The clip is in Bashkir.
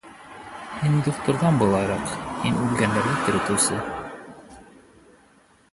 — Һин духтырҙан былайыраҡ, һин үлгәндәрҙе терелтеүсе.